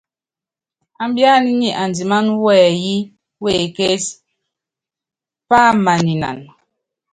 Ambíaná nyi andimáná wɛyí wekétí, pámaninan.